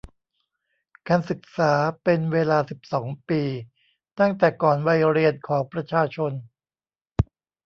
การศึกษาเป็นเวลาสิบสองปี ตั้งแต่ก่อนวัยเรียนของประชาชน